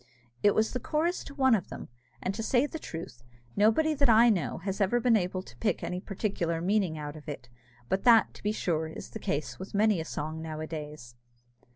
_" It was the chorus to one of them; and, to say the truth, nobody that I know has ever been able to pick any particular meaning out of it; but that, to be sure, is the case with many a song nowadays.